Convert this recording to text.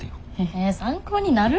え参考になる？